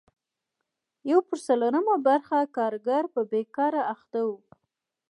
یو پر څلورمه برخه کارګر په بېګار اخته وو.